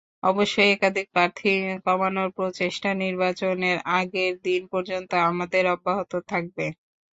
অবশ্য একাধিক প্রার্থী কমানোর প্রচেষ্টা নির্বাচনের আগের দিন পর্যন্ত আমাদের অব্যাহত থাকবে।